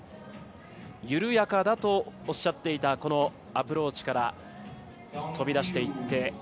緩やかだとおっしゃっていたアプローチから飛び出していって。